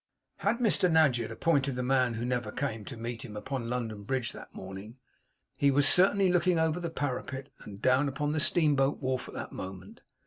Had Mr Nadgett appointed the man who never came, to meet him upon London Bridge that morning? He was certainly looking over the parapet, and down upon the steamboat wharf at that moment.